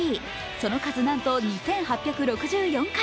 その数、なんと２８６４回。